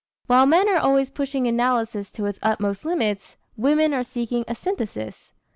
While men are always pushing analysis to its utmost limits, women are seeking a synthesis.